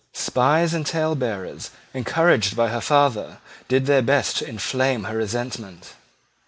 Spies and talebearers, encouraged by her father, did their best to inflame her resentment.